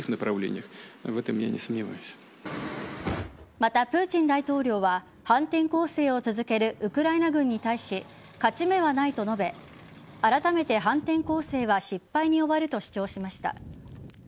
また、プーチン大統領は反転攻勢を続けるウクライナ軍に対し勝ち目はないと述べあらためて反転攻勢は失敗に終わると主張しました。